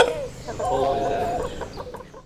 The pulp is edible.